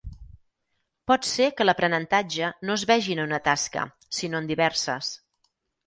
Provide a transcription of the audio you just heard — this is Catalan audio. Pot ser que l'aprenentatge no es vegi en una tasca, sinó en diverses.